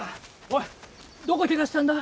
おいどこケガしたんだ？